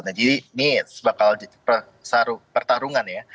nah jadi ini bakal jadi pertarungan ya